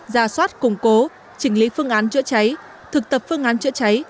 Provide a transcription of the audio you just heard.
ra soát củng cố chỉnh lý phương án chữa cháy thực tập phương án chữa cháy